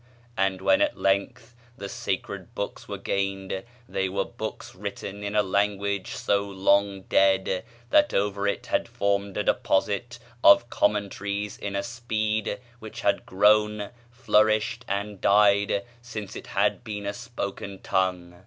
And when at length the sacred books were gained, they were books written in a language so long dead that over it had formed a deposit of commentaries in a speed which had grown, flourished, and died since it had been a spoken tongue.